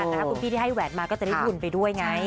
คุณพี่ที่ให้แหวนมาก็จะได้ทุนไปด้วยไง